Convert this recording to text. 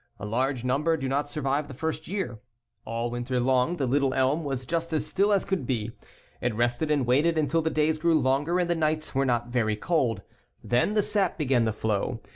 A large number do not survive the first year. All winter long the little elm was just as still as could be. It rested and waited until the days grew longer and the nights were not very cold. Then the sap began to flow.